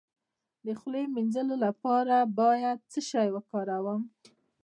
د خولې د مینځلو لپاره باید څه شی وکاروم؟